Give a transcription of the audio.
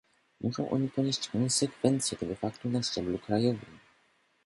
Muszą oni ponieść konsekwencje tego faktu na szczeblu krajowym